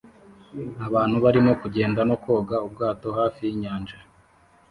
Abantu barimo kugenda no koga ubwato hafi yinyanja